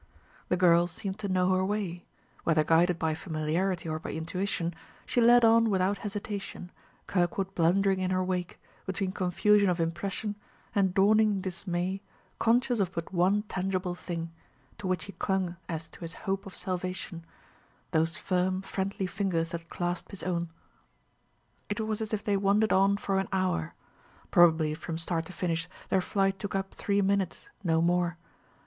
The girl seemed to know her way; whether guided by familiarity or by intuition, she led on without hesitation, Kirkwood blundering in her wake, between confusion of impression, and dawning dismay conscious of but one tangible thing, to which he clung as to his hope of salvation: those firm, friendly fingers that clasped his own. It was as if they wandered on for an hour; probably from start to finish their flight took up three minutes, no more.